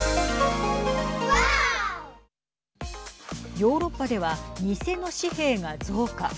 ヨーロッパでは偽の紙幣が増加。